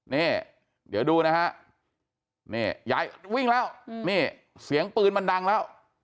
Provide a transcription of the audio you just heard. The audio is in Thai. นี่เดี๋ยวดูนะฮะนี่ยายวิ่งแล้วนี่เสียงปืนมันดังแล้ว